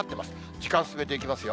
時間進めていきますよ。